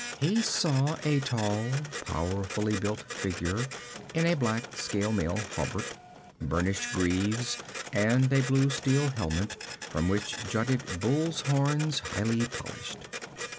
He saw a tall powerfully built figure in a black scale mail hauberk, burnished greaves and a blue steel helmet from which jutted bull's horns highly polished.